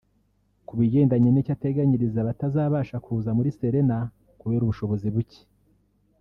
Ku bigendanye n’icyo ateganyiriza abatazabasha kuza muri Serena kubera ubushobozi buke